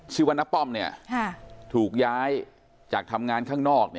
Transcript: ชื่อว่านักป้อมเนี่ยถูกย้ายจากทำงานข้างนอก